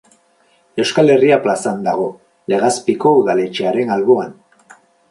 Euskal Herria plazan dago, Legazpiko udaletxearen alboan.